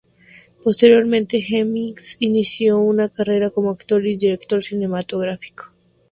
Posteriormente Hemmings inició una carrera como actor y director cinematográfico.